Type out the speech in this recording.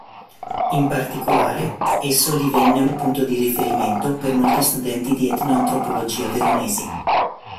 In particolare, esso divenne un punto di riferimento per molti studenti di etno-antropologia veronesi.